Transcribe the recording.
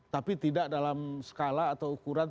tapi tidak dalam skala atau ukuran